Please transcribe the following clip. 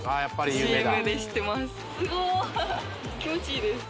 ・すご・気持ちいいです